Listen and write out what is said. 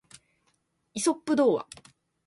イソップ童話